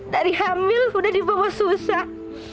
dari hamil sudah dibawa susah